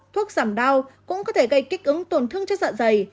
thuốc giảm đau cũng có thể gây kích ứng tổn thương cho dạ dày